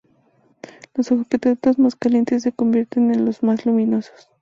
Los objetos más calientes se convierten en los más luminosos.